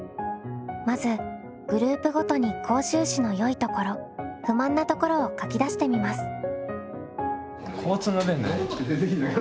まずグループごとに甲州市のよいところ不満なところを書き出してみます。